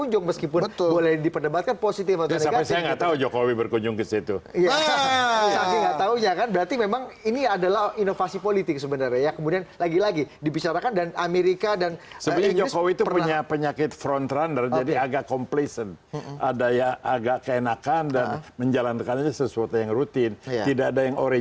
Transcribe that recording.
jokowi dan sandi